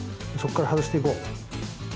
そっから外して行こう。